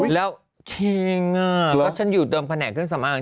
แล้วเท่งอ่ะก็ฉันอยู่ตรงแผนกเครื่องสำอาง